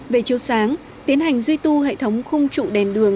về chiều sáng tiến hành duy tu hệ thống khung trụ đèn đường